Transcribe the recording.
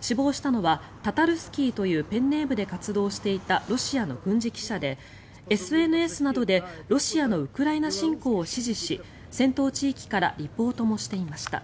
死亡したのはタタルスキーというペンネームで活動していたロシアの軍事記者でＳＮＳなどでロシアのウクライナ侵攻を支持し戦闘地域からリポートもしていました。